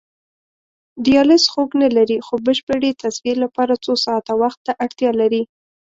دیالیز خوږ نه لري خو بشپړې تصفیې لپاره څو ساعته وخت ته اړتیا لري.